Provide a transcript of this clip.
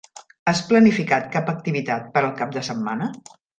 Has planificat cap activitat per al cap de setmana?